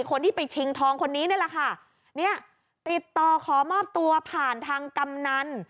คนที่ไปชิงทองคนนี้นี่แหละค่ะเนี่ยติดต่อขอมอบตัวผ่านทางกำนัน